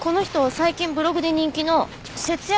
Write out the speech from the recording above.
最近ブログで人気の節約の達人です。